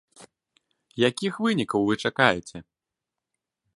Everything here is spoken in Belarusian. Якіх вынікаў вы чакаеце?